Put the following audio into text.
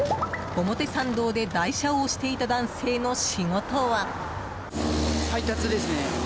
表参道で台車を押していた男性の仕事は。